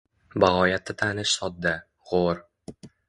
Bagʼoyatda tanish sodda, gʼoʼr